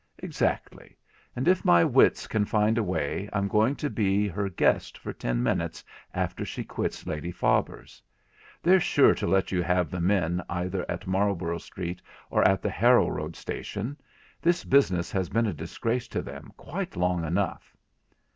'Exactly, and if my wits can find a way I'm going to be her guest for ten minutes after she quits Lady Faber's. They're sure to let you have the men either at Marlborough Street or at the Harrow Road station. This business has been a disgrace to them quite long enough.'